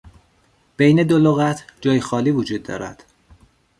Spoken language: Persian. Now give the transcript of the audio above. بین دو لغت جای خالی وجود دارد.